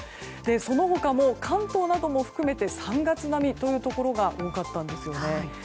その他も関東なども含めて３月並みというところが多かったんですよね。